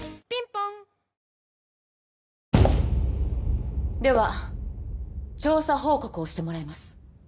ぽんでは調査報告をしてもらいます。